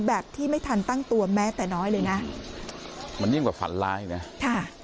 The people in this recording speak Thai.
แบบที่ไม่ทันตั้งตัวแม้แต่น้อยเลยนะอืมมันยังแบบฝันร้ายเนี้ยค่ะ